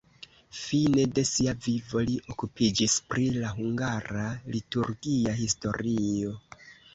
Fine de sia vivo li okupiĝis pri la hungara liturgia historio.